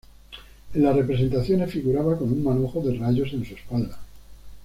En las representaciones, figuraba con un manojo de rayos en su espalda.